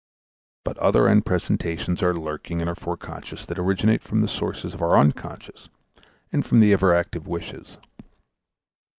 But other end presentations are lurking in our foreconscious that originate from the sources of our unconscious and from the ever active wishes.